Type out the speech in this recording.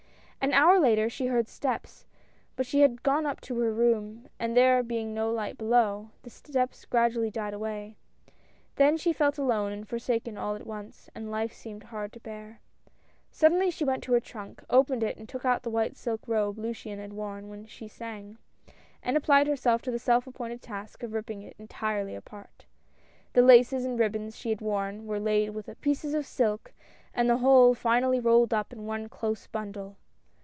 An hour later she heard steps, but she had gone up to her room, and there being no light below, the steps gradu ally died away. Then she felt alone and forsaken all at once, and life seemed hard to bear. Suddenly she went to her trunk, opened it and took out the white silk robe Luciane had worn when she sang, and applied herself to the self appointed task of ripping it entirely apart. The laces and ribbons she had worn, were laid with the pieces of the silk and the whole finally rolled up in one close bundle.